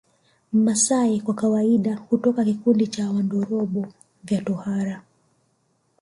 Mmasai kwa kawaida hutoka kikundi cha Wandorobo vya tohara